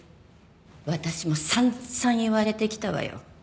私も散々言われてきたわよ。